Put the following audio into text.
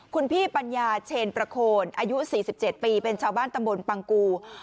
คุณพี่ปัญญาเชนประโคนอายุ๔๗ปีเป็นชาวบ้านตำบลปังกู